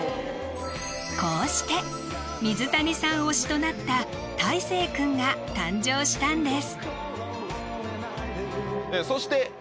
こうして水谷さん推しとなったたいせい君が誕生したんです！